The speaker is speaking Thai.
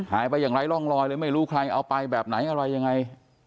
ไปอย่างไร้ร่องรอยเลยไม่รู้ใครเอาไปแบบไหนอะไรยังไง